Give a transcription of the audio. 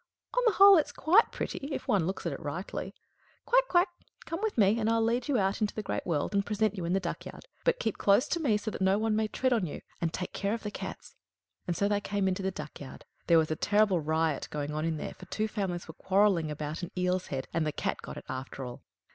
On the whole it's quite pretty, if one looks at it rightly. Quack! quack! come with me, and I'll lead you out into the great world, and present you in the duck yard; but keep close to me, so that no one may tread on you, and take care of the cats!" And so they came into the duck yard. There was a terrible riot going on in there, for two families were quarrelling about an eel's head, and the cat got it after all.